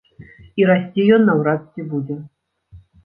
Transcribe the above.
І расці ён наўрад ці будзе.